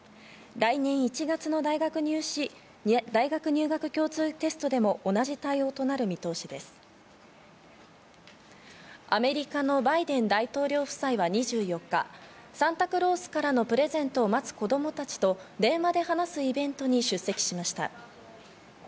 来年１月の大学入学共通テストでもアメリカのバイデン大統領夫妻は２４日、サンタクロースからのプレゼントを待つ子供たちと電話で話すイベントに出席しました。